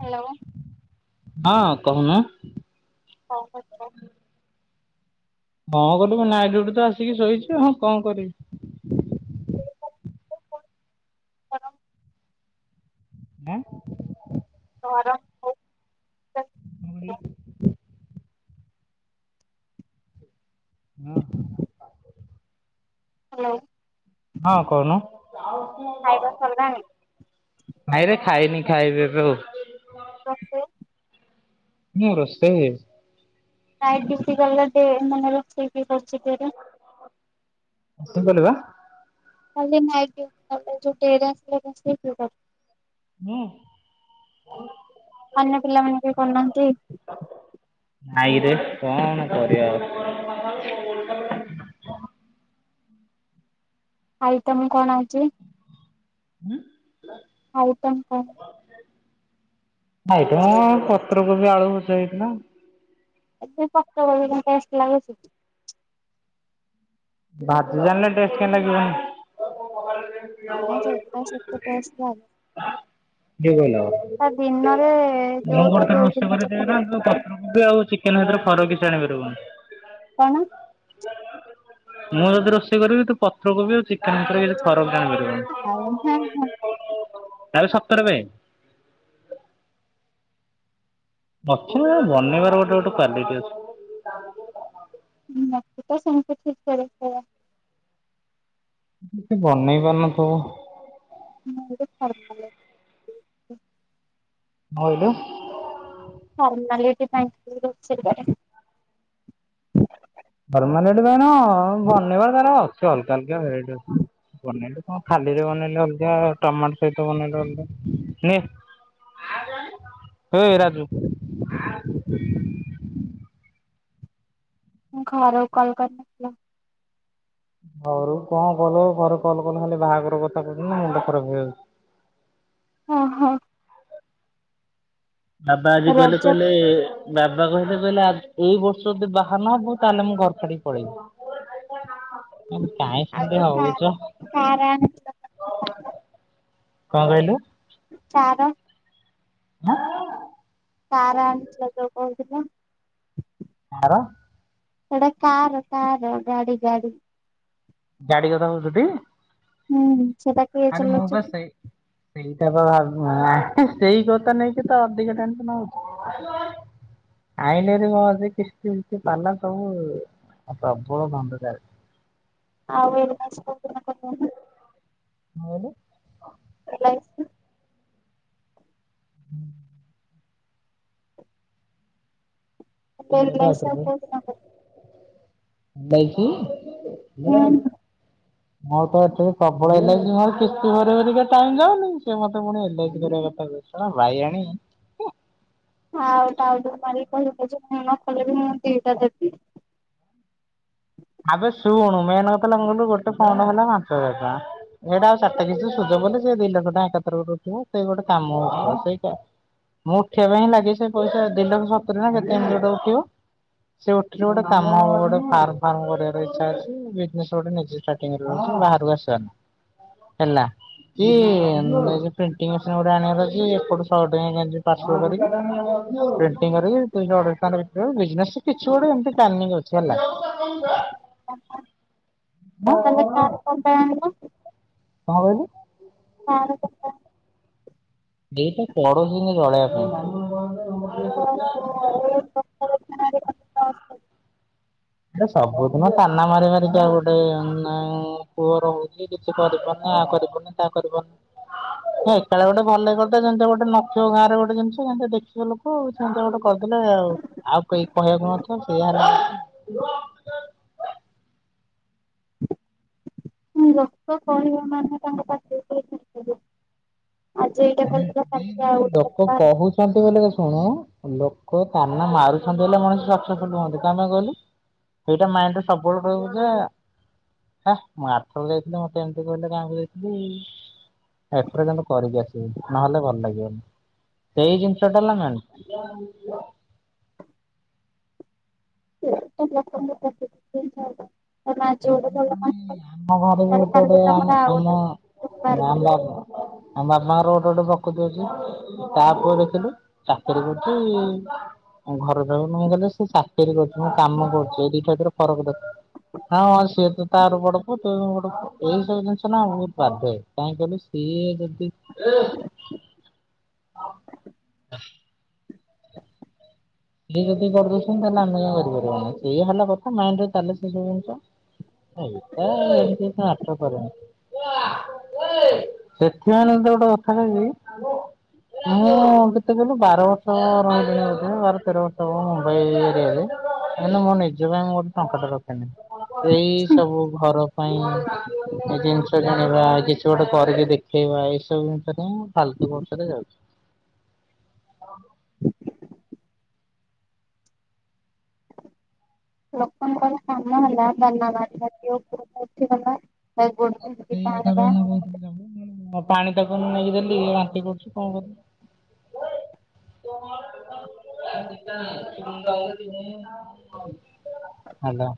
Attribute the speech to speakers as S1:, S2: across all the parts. S1: Hello.
S2: ହଁ କହୁନୁ।
S1: ହଉ ତ
S2: ହଁ କରିବୁ ନାଇଡୁଠ ତ ଆସିକି ଶୋଇଛି ହଁ କଣ କରିବି।
S1: କର
S2: [inaudible]
S1: ଆରାମ ହ
S2: [inaudible] ହଁ।
S1: ହଁ।
S2: ହଁ କହୁନୁ। ଆଉ କ
S1: ଖାଇବା ସରିଲାଣି?
S2: ଭାଇଁରେ ଖାଇନି ଖାଇବେବେଉ।
S1: ଆସେ
S2: ନୂର ଅସ୍ତେ
S1: ନାଇ ଦସିିକଲ ଦେ ମନେଲ ସେି ଖଚେରେ
S2: କେ କଲିବା।
S1: କାଲି ନାଇୁଟ
S2: ହୁଁ।
S1: ଅନ୍ୟ ପିଲା ମାନ ବି କରୁନାହାନ୍ତି।
S2: ନାଇଁରେ କଣ କରିବା ଆଉ।
S1: ଆଇ ତ ମୁଁ କଣ ଅଉଛି।
S2: ହୁଁ।
S1: ହଉ ଟମ କ।
S2: ଆଇଟମ କ ପକୁ ବି ଆଳୁ ଭଜା ହେଇଥିଲା।
S1: ଫକ୍ତ ବ ଟଷ୍ଟ ଲାଗ ସେି
S2: ବାଜି ଜାଣିଲେ ଟେଷ୍ଟ କେ ଲାଗିବନ। ଏ କହିଲ
S1: ଆମ ସେଗୁଡା ସେତେ ଟେଷ୍ଟ ଲାଗେ
S2: ମୁଁ
S1: ତା ଦିନରେ ଯୋଉଟା
S2: ବର୍ତ୍ତମାନ
S1: ଯୋଉ
S2: ରୋଷେଇ
S1: ଦିନରେ
S2: କରିଦିଏ
S1: ଭଲ
S2: ନା
S1: ଲାଗେ।
S2: ପର କୋବି ଆଉ ଚିକେନ ଭିତରେ ଫରକ। [unintelligible]
S1: କଣ?
S2: ମୁଁ ଯଦି ରୋଷେଇ କରିବି ତୁ ପତ୍ର କୋବି ଆଉ ଚିକେନ ଉପରେ [unintelligible]
S1: [unintelligible]
S2: ତାହେଲେ ସତରେ ବେ। ବଫୁ ବନେଇବାର ଗୋଟେ ଗୋଟେ କ୍ଵାଲିଟି ଅଛି।
S1: [unintelligible]
S2: ବନେଇ ପାରୁ ନଥିବ
S1: [unintelligible]
S2: ଭାଉଲୁ
S1: ଫର୍ମାଲିଟି ପାଇଁ ଖାଲି ରୋଷେଇ କରେ।
S2: ଫର୍ମାଲିଟୀ ପାଇଁନାଁ ହଁ ବନେଇ ବାର ତାର ଅଛି ଅଲଗା ଅଲଗା ଭେରାଇଟି ଅଛି ବନେଇଲେ। ହଁ ଖାଲିରେ ବନେଇଲେ ଅଲଗା ଟମାଟୋ ସହିତ ବନେଇଲେ ଅଲଗା ହେ ହେ ରାଜୁ
S1: ହଁ ଖର କୁ କଲ କରିନଥିଲ।
S2: ଘରୁ କୁ କଣ କଲ ଘରୁକୁ କଲ କଲେ ଖାଲି ବାହାଘର କଥା କହୁଚନ୍ତି ମୋ ମୁଣ୍ଡ ଖରାପ ହେଇଯାଉଛି।
S1: ହଁ ହଁ।
S2: ବାବା ଆଜି କହିଲେ
S1: ରଜ
S2: କହିଲେ ବାବା କହିଲେ କହିଲେ ଆ ଏଇ ବର୍ଷ ଯଦି ବାହାନହବୁ ତାହେଲେ ମୁଁ ଘର ଛାଡିକି ପଳେଇବି। କହିଲି କାଇଁ ସେମିତି ହଉଛ କଣ
S1: [unintelligible]
S2: କଣ କହିଲୁ?
S1: କାର
S2: ହଁ।
S1: କାରଆନିଥିଲ ଜଉ କହୁଥିଲ।
S2: କାର
S1: ସେଟା କାର କାର ଗାଡି ଗାଡି
S2: ଗାଡି କଥା କହୁଛୁ ଟି?
S1: ହୁଁ ସେଟାକୁ କିଏ ଚଲଉଚନ୍ତି?
S2: ସେଇ ସେଇଟା ସେଇ କଥା ନେଇକି ତ ଅଧିକ ଟେନସନ ହଉଛି ଆଇଲେ [unintelligible] କିମତି ପାଲା ସବୁ। ଆ ପ୍ରବଳ ବନ୍ଧୁତା ଅଛି।
S1: ଆଉ ଏଇ ନେକ୍ସଟ ପ୍ରୋଗ୍ରାମ ଟା କହୁନ
S2: କଣ କହିଲ?
S1: [unintelligible]
S2: ହୁଁ। କଣ
S1: [unintelligible]
S2: ବାଇକି [unintelligible]
S1: ହୁଁ
S2: ମୋର ତ ଏଠି ପ୍ରବଳ ହେଲାଣି ଯେ ମୋର କିସ୍ତି ଭରି ଭରି ବା ଟାଇମ ଯାଉନି ସେ ମତେ ପୁଣି ଏ ଲା ଇସି କରିବା କଥା କହୁଚି ଶଳା ବାଇଆଣି।
S1: ହଉ ତାହାଲେ [unintelligible]
S2: ଆବେ ଶୁଣୁ ମେନ କଥା ହେଲା ମୋର ଗୋଟେ ଫଣ୍ଡ ହେଲା ପାଞ୍ଚ ହଜାର ଟଙ୍କା ଏଇଟା ଆଉ ସାତ କିସ୍ତି ସୂଜା ପଡିଲେ ସେ ଦି ଲକ୍ଷ ଟଙ୍କା ଏକାଥର ଗୋଟେ ଉଠିବ ସେଇ ଗୋଟେ କାମ ହବ ସେଇଟା ମୁଁ ଉଠିବା ପାଇଁ ହିଁ ଲାଗେ ସେଇ ପଇସା ଦି ଲକ୍ଷ ସତୁରି ନା କେତେ ଏମତୀ ଗୋଟେ ଉଠିବ। ସେ ଉଠିଲେ ଗୋଟେ କାମ ହବ। ଫାର୍ମ ଫାର୍ମ କରିବାର ଇଚ୍ଛା ଅଛି ବିଜନେସ ଗୋଟେ ନିଜେ ଷ୍ଟାର୍ଟିଂ କରିବାର ଅଛି ବାହାରକୁ ଆସିବାର ନାହିଁ ହେଲା କି-କି-କି ଏ ଯଉ ପ୍ରିଣ୍ଟିଙ୍ଗ ମେସିନ ଗୋଟେ ଆଣିବାର ଅଛି ଏପଟୁ ଶହେ ଟଙ୍କିଆ କେମିତି ପାର୍ଶଲ କରିକି ପ୍ରିଣ୍ଟିଙ୍ଗ କରିକି ଦୁଇଶ ଅଢେଇଶ ଟଙ୍କା ରେ ବିକ୍ରି ହେବ ବିକ୍ରି ହେବ ବିଜନେସ କିଛି ଗୋଟେ ଏମିତି ପ୍ଲାନିଙ୍ଗ ଅଛି ହେଲା। [unintelligible]
S1: ଓହୋ।
S2: ହଁ
S1: ଆଉ ତାହଲେ କାର କଣ ପାଇଁ ଆଣିଲ?
S2: କଣ କହିଲୁ?
S1: କାର କଥା।
S2: ଏଇଟା ପଡୋଶୀଙ୍କି ଜଳେଇବା ପାଇଁ। [inaudible]
S1: ପାଇଁ ଆଣିଲ?
S2: ସବୁଦିନ ତାନା ମାରି ମାରିକା ଗୋଟେ ପୁଅ ରହୁଛି କିଛି କରିପାରୁନି ଆ କରିପାରୁନି ତା କରିପାରୁନି ଏକାଳେ ଗୋଟେ ଭଲ କରିଦେ ଯେମିତି ଗୋଟେ ନଖିବ ଗାଁରେ ଗୋଟେ ଜିନିଷ ଯେମିଟି ଦେଖିବେ ଲୋକ ସେମିତିଆ ଗୋଟେ କରିଦେଲେ ଆଉ କେହି କହିବାକୁ ନଥିବେ ସେଇଆହେଲା କଥା [inaudible]
S1: ହଁ ଲୋକ କହିବ ମାନେ ତାଙ୍କ ପାଟି। ଆଜି ଏଇଟା
S2: ମାନେ
S1: କଲୁ କାଲି
S2: ଲୋକ କହୁଛନ୍ତି ବୋଲି ଶୁଣୁ ଲୋକ ତାନା ମାରୁଛନ୍ତି ବଲେ ମଣିଷ ସକ୍ସେସଫୁଲ ହୁଅନ୍ତି କା ପାଇଁ କହିଲୁ ଏଇଟା ମାଇଣ୍ଡରେ ସବୁବେଳେ ରହିବ ଯେ ଆ ମୁଁ ଆର ଥର ଯାଇଥିଲି ମତେ ଏମିତି କହିଲେ ଗାଁ କୁ ଯାଇଥିଲି ଏଥର କିନ୍ତୁ କରିକି ଆସିଲି। ନହେଲେ ଭଲ ଲାଗିବନି ସେଇ ଜିନିଷଟା ହେଲା ମେନ।
S1: [unintelligible] ହବ। [unintelligible]
S2: ଆମ
S1: ତାହେଲେ
S2: ଘରେ
S1: କାଲି
S2: [unintelligible] ଆ
S1: ତମର ଆଉ
S2: ଆମ
S1: ଗୋଟେ
S2: ହଁ ଆମ
S1: ବାହାର କରିବେ
S2: ମାମା-ବାବା ଆମ ମାମା ର ଗୋଟେ ଗୋଟେ ପ୍ରକୃତି ଅଛି ତା ପୁଅ ଦେଖିଲୁ ଚାକିରି କରୁଛି ଘର ଚଳଉନୁ ମୁଁ କଲେ ସେ ଚାକିରି କରୁଛି ମୁଁ କାମ କରୁଛି ଏଇ ଦିଟା ଭିତରେ ଫରକ ଦେଖ। ହଁ ହ ସିଏ ତ ତାର ବଡ ପୁଅ ତୁ ବଡ଼ ପୁଅ ଏଇ ସବୁ ଜିନିଷ ନା ବହୁତ ବାଧେ କାହିଁକି କହିଲୁ ସିଏ ଯଦି [inaudible] ଏ ଯଦି କରିଦଉଛନ୍ତି ତାହଲେ ଆମେ କାହିଁ କରିପାରିବନି ସେଇ ହେଲା କଥା ମେନ ହେଲା ଚାଲେ ସେ ସବୁ ଜିନିଷ ହେଟା ଏମିତି ମ୍ୟାର୍ଟର କରେନି ସେଥିପାଇଁ ଗୋଟେ କଥା କହିବି ମୁଁ କେତେ କହିଲୁ ବାର ବର୍ଷ ରହିଲିଣି ଏଠେ ବାର ଆର ବର୍ଷ ମୁଁ ମୁମ୍ବାଇରେ ମୁଁ ମୋ ନିଜ ପାଇଁ ମୁଁ ଗୋଟେ ଟଙ୍କା ଟେ ରଖେନି ଏଇ ସବୁ ଘର ପାଇଁ ଏ ଜିନିଷ କିଣିବା କିଛି ଗୋଟେ କରିକି ଦେଖେଇବା ଏଇ ସବୁ ଜିନିଷ ଫାଲତୁ ଖର୍ଚ୍ଚରେ ଯାଉଛି।
S1: ଲୋକଙ୍କର କାମ ହେଲା ତାନା ମାରିବା [unintelligible] ଧରିକି ଟାଣିବା
S2: [unintelligible] ପାଣି ତାକୁ ନେଇକି ଦେଲି ବାନ୍ତି କରୁଛି କଣ କରିବି? [inaudible] ହାଲୋ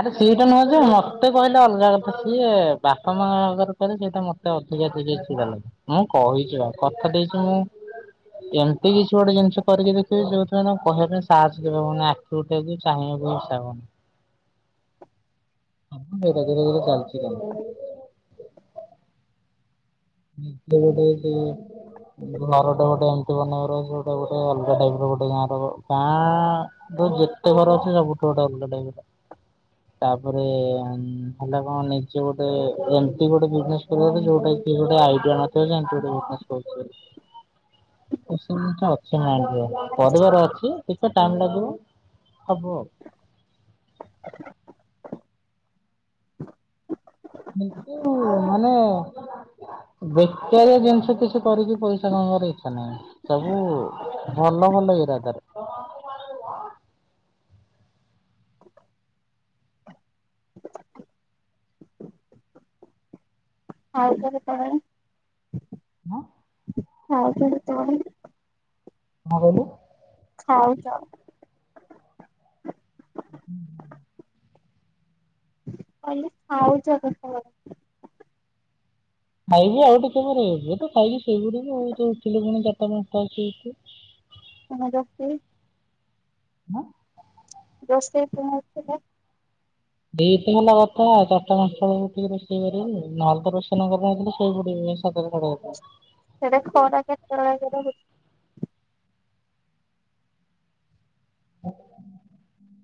S2: ଆରେ ସେଇଟା ନୁହଁ ଯେ ମତେ କହିଲେ ଅଲଗା କଥା ସିଏ ବାପା ମାଙ୍କ ଆଗରେ କହିଲେ ସେଇଟା ମତେ ଅଧିକା ଟିକେ ଚିଡ଼ା ଲାଗେ ମୁଁ କହିଛି ଆଉ କଥା ଦେଇଛି ମୁଁ ଏମିତି କିଛି ଗୋଟେ ଜିନିଷ କରିକି ଦେଖେଇବି ଯୋଉଥିପାଇଁ ତାଙ୍କୁ କହିବା ପାଇଁ ସାହାସ କେବେ ହବନି ଆଖି ଉଠେଇକି ଚାହିଁବାକୁ ଇଛା ହବନି। ହେ ଗେରେଗେରେ ଚାଲଛି ତାଙ୍କର। [inaudible] ନିଜେ ଗୋଟେ ଯଉ ଘରଟା ଗୋଟେ ଏମତି ବନେଇବାର ଯୋଉଟା ଗୋଟେ ଅଲଗା ଟାଇପର ଗୋଟେ ଗାଁ ର ଗାଁ ର ଯେତେ ଘର ଅଛି ସବୁଠୁ ଗୋଟେ ଅଲଗା ଟାଇପର ତାପରେ ହେଲା କଣ ନିଜେ ଗୋଟେ ଏମତି ଗୋଟେ ବିଜନେସ କରିବାର ଅଛି ଯୋଉଟାକି ଗୋଟେ ଆଇଡିଆ ନଥିବ ଯେ ଏମତି ଗୋଟେ ବିଜନେସ କରୁଛି ବୋଲି ଏସବୁ ଜିନିଷ ଅଛି ମାଇଣ୍ଡ କରିବାର ଅଛି ଦେଖିଆ ଟାଇମ ଲାଗିବ ହବ ଆଉ।
S1: [inaudible]
S2: କିନ୍ତୁ ମାନେ ବେକାରିଆ ଜିନିଷ କିଛି କରିକି ପଇସା କମେଇ ବାର ଇଚ୍ଛା ନାହିଁ ସବୁ ଭଲ ଭଲ ଇରାଦାରେ
S1: ଆଉ କେବେ କହେ?
S2: [unintelligible]
S1: ଆଉ କେବେ କହ?
S2: କଣ କହିଲୁ?
S1: ହଉ ଯାଅ।
S2: ହୁଁ।
S1: କାଲି ଆଉଛ ସତକଥା।
S2: ଖାଇବୁ ଆଉ ଟିକେ ପରେ ଇଏତୁ ଖାଇକି ଶୋଇ ପଡ଼ିବୁ ଆଉ ତୁ ଉଠିଲେ ପୁଣି ଚାରିଟା ପାଞ୍ଚଟା ବସିକି ଉଠିବୁ।
S1: ସମଜସ୍ତି
S2: ହଁ
S1: ବେସ୍ତ ତମେ ଥିଲ
S2: ଏଇତ ହେଲା କଥା ଚାରିଟା ପାଞ୍ଚଟା ବେଳକୁ ଉଠିକି ରୋଷେଇ କରିବି ନହେଲେ ତ ରୋଷେଇ କରାନହେଇଥିଲେ ଶୋଇ ପଡିବି ସାତଟା ସାଢେ ସାତଟା
S1: ସେଇଟା ଖରା କେତେବେଳେ କେରେ ହଉଛି।
S2: ହ।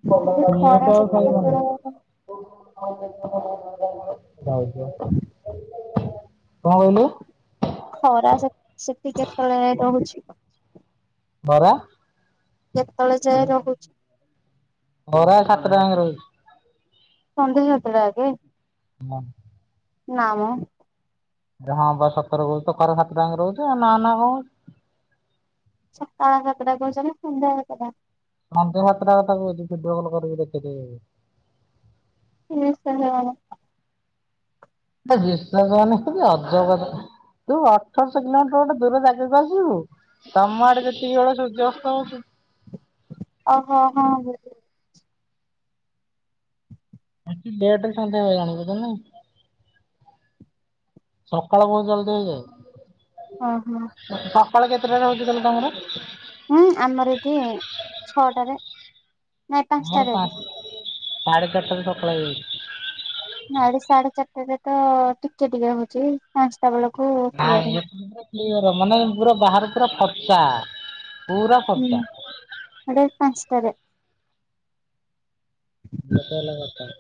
S2: ତ ଆ [unintelligible] ଆ [unintelligible]
S1: ଖାଲି ଖରା ସେଠି କେତେବେଳେ
S2: ହଉ ଯ [unintelligible] କଣ କହିଲୁ?
S1: ଖରା ସେ ସେଠି କେତେବେଳେ ରହୁଛି
S2: ବରା
S1: କେତେଳେ ଯାଏ ରହୁଚୁ?
S2: ଙ୍ଗ ର [unintelligible]
S1: ସନ୍ଧ୍ୟା ସାତ ଟା ହାତେ?
S2: ହଁ।
S1: ନାମ
S2: ହଁ ବା ସତର କହୁଛି ଘରେ ସାତ ଟାଙ୍କେ ରହୁଛ ଆଉ ନା ନା କଣ
S1: ସଖାଳ ସାତ ଟା କହୁଛ ସନ୍ଧ୍ୟା ସାତ ଟା?
S2: ସନ୍ଧ୍ୟା ସାତଟା କଥା କହୁଛି ଭିଡିଓ କଲ କରିବି ଦେଖେଇଦେବି ତତେ।
S1: ହ ସେ ହ [unintelligible]
S2: ବିଶ୍ୱାସ ହୋଉନିକି ଅଜବ କଥା ତୁ ଅଠରଶହ କିଲୋମିଟର ଗୋଟେ ଦୂର ଜାଗାକୁ ଆସିବୁ? ତମ ଆଡେ ଯେତିକି ବେଳେ ସୂର୍ଯ୍ୟାସ୍ତ ହଉଛ
S1: ଓହୋ ହଁ।
S2: ଏଠି ଲେଟରେ ସନ୍ଧ୍ୟ ହୁଏ ଜାଣିଚୁ ତ ନାଇ। ସକାଳ ବହୁତ ଜଲଦି ହେଇଯାଏ।
S1: ହଁ ହଁ।
S2: ସଖାଳ କେତେଟାରେ ହଉଛି କହିଲୁ ତମର?
S1: ହୁଁ ଆମର ଏଠି ଛଅଟାରେ। ନାଇଁ
S2: ଆମର
S1: ପାଞ୍ଚଟାରେ ଏବେ।
S2: ପାଞ୍ଚ ସାଢେ ଚାରିଟା ରେସଖାଳ ହେଇଯାଉଛି।
S1: ଆଡେ ସାଢେ ଚାରିଟରେ ତ ଟିକେ ଟିକେ ହଉଛି ପାଞ୍ଚ ସେତେବେଳକୁ
S2: ନାଇଁ
S1: [unintelligible]
S2: ଏଠି ପୁରା କ୍ଲିୟର ମାନେ ପୁରା ବାହାର ପୁରା ଫର୍ଚା। ପୁରା
S1: ହୁଁ
S2: ଫର୍ଚା
S1: ଆଡେ ପାଞ୍ଚା ଟାରେ
S2: ସେଇଆ ତ ହେଲା କଥା।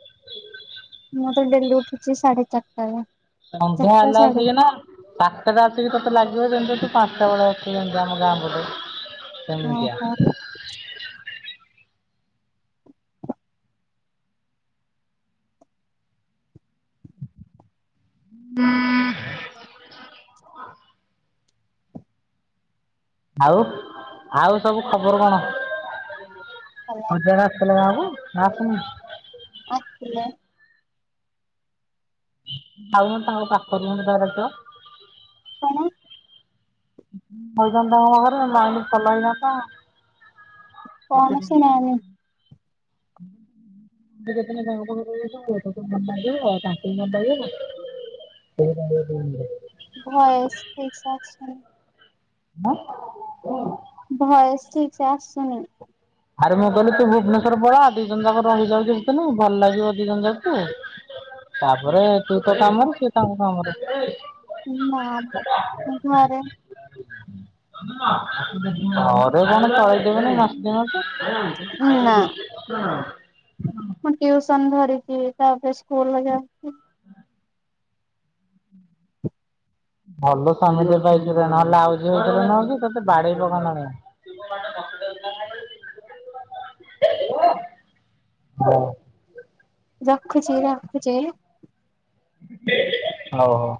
S1: ମୁଁ ତ ଡେଲି ଉଠୁଛି ସାଢେ ଚାରିଟାରେ ।
S2: ସନ୍ଧ୍ୟା ହେଲା ଆଲସିକି ନା ସାତଟା ଟା ଆସିକି ତୋତେ ଲାଗିବ ଯେମିତି ପାଟ ବଡ଼ମ ଗ ଆବଳେ [unintelligible] ସେମିଟିକା
S1: ଓହୋ
S2: [unintelligible] [inaudible] ଆଉ ଆଉ ସବୁ ଖବର କଣ?
S1: ଭଲ
S2: ହଜାଗା ଆସିଥିଲା ବାକୁ ହଁ କ [unintelligible]
S1: ଆସଛ [inaudible]
S2: ଯାଉନ ତାଙ୍କ ପାଖରେ ଘରଛ [unintelligible]
S1: କଣ
S2: ହୋଇ ଜ ହ ଲାଇନ ପଲା ଯ ତ
S1: କଣସି ନା ନାହିଁ।
S2: ଯେୋ ମ ଆଉ ତାଙ୍କୁ ବି ମ [unintelligible]
S1: ଭଏସ ଠିକ ସେ ଆସୁନି।
S2: ହ [inaudible]
S1: ଭଏଜ୍ ଠିକ ସେ ଆସୁନି
S2: ଆରେ ମୁଁ କହିଲି ତୁ ଭୁବନେଶ୍ଵର ପଳା ଦି ଜଣ ଯାକ ରହିଯାଉଛି ସେ ଦିନ ଭଲ ଲାଗିବ ଦି ଜଣ ଯାକୁ ତାପରେ ତୁ ତୋ କାମରେ କିଏ ତାଙ୍କ କାମରେ
S1: ନା ଘରେ
S2: ଘରେ କଣ ଚଳେଇଦବେନି ନାସ୍ତି ମାସ
S1: ନା
S2: ହ ଆ [inaudible]
S1: ତାରେ ସ୍କୁଲ ବାଟେ ଆସୁଛ
S2: ଭଲ ସ୍ୱାମୀଜ ଭକ ନହେଲେ ଆଉଝରେ ନନ୍ତି ତତେ ବାଡେଇ ପକ ହ
S1: ରଖୁଛି ରଖୁଛି।
S2: ହଉ ହଉ।